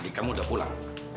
adik kamu udah pulang